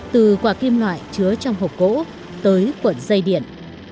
từ quả kim loại chứa trong hộp gỗ tới cuộn dây điện